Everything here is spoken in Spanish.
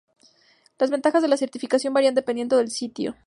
Las ventajas de la certificación varían dependiendo del sitio.